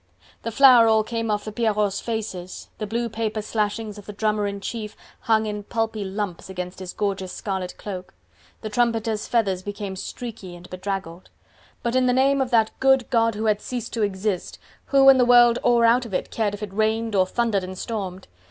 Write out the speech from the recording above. The flour all came off the Pierrots' faces, the blue paper slashings of the drummer in chief hung in pulpy lumps against his gorgeous scarlet cloak. The trumpeters' feathers became streaky and bedraggled. But in the name of that good God who had ceased to exist, who in the world or out of it cared if it rained, or thundered and stormed!